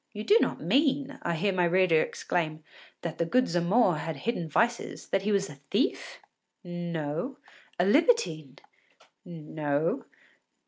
“You do not mean,” I hear my reader exclaim, “that the good Zamore had hidden vices? that he was a thief?” No. “A libertine?” No.